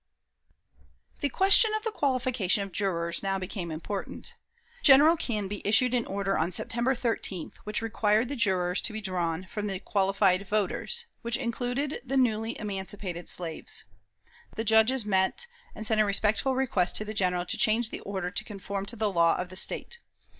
The question of the qualification of jurors now became important. General Canby issued an order on September 13th, which required the jurors to be drawn from the "qualified voters," which included the newly emancipated slaves. The Judges met, and sent a respectful request to the General to change the order to conform to the law of the State.